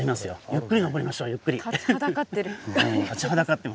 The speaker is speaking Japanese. ゆっくり上りましょうゆっくり。